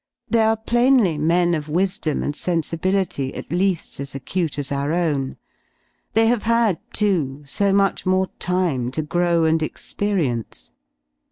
They are plainly men of wisdom and sensibility at 53 leaA as acute as our own : they have had, too, so much more time to grow and experience.